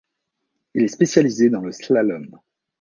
Il est spécialisé dans le slalom.